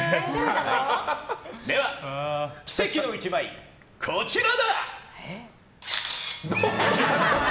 では、奇跡の１枚こちらだ！